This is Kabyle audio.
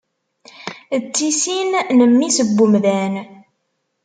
D tisin n Mmi-s n umdan.